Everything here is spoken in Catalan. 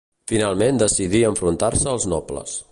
Finalment decidí enfrontar-se als nobles.